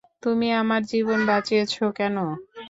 তুমি আমার জীবন বাঁচিয়েছ কেন?